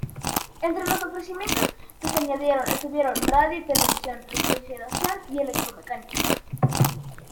Entre los ofrecimientos que se añadieron estuvieron: Radio y Televisión, Refrigeración y Electromecánica.